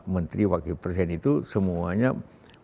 menteri wakil presiden itu semuanya